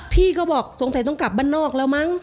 พี่ก็บอกสงสัยต้องกลับบ้านนอกแล้วมั้ง